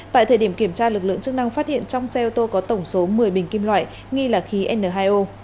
tại thời điểm kiểm tra lực lượng chức năng phát hiện trong xe ô tô có tổng số một mươi bình kim loại nghi là khí n hai o